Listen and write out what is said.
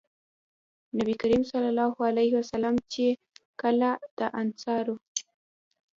نبي کريم صلی الله عليه وسلم چې کله د انصارو